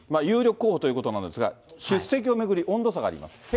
有力候補ということなんですが、出席を巡り、温度差があります。